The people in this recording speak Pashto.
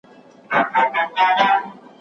دا کیسه به په رباب کي شرنګېدله